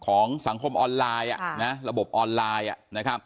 สังคมออนไลน์ระบบออนไลน์